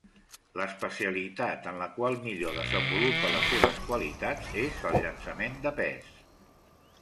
L'especialitat en la qual millor desenvolupa les seves qualitats és el llançament de pes.